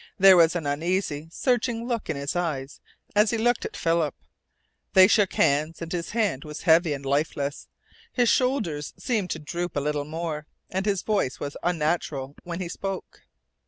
There was an uneasy, searching look in his eyes as he looked at Philip. They shook hands, and his hand was heavy and lifeless. His shoulders seemed to droop a little more, and his voice was unnatural when he spoke.